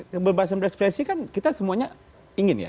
kebebasan berekspresi kan kita semuanya ingin ya